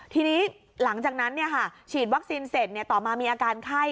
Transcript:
ทีนี้หลังจากนั้นเนี่ยค่ะฉีดวัคซีนเสร็จเนี่ยต่อมามีอาการไข้